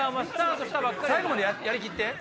最後までやりきって。